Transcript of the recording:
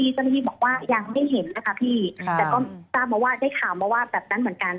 เจ้าหน้าที่บอกว่ายังไม่เห็นนะคะพี่แต่ก็ทราบมาว่าได้ข่าวมาว่าแบบนั้นเหมือนกัน